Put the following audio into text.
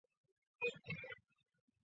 蔡璧煌。